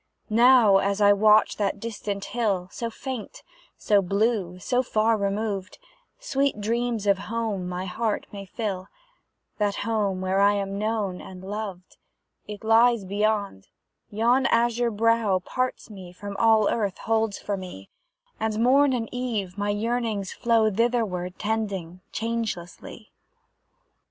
Now, as I watch that distant hill, So faint, so blue, so far removed, Sweet dreams of home my heart may fill, That home where I am known and loved: It lies beyond; yon azure brow Parts me from all Earth holds for me; And, morn and eve, my yearnings flow Thitherward tending, changelessly.